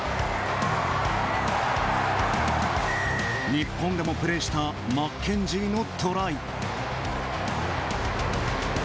日本でもプレーしたマッケンジーのトライ。